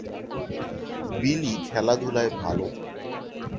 বিলি খেলাধুলায় ভালো।